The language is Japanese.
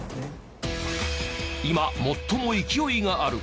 今最も勢いがある！